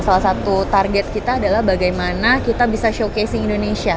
salah satu target kita adalah bagaimana kita bisa showcasing indonesia